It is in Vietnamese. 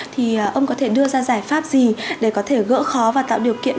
thì ông có thể đưa ra giải pháp gì để có thể gỡ khó và tạo điều kiện